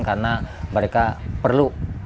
karena mereka perlu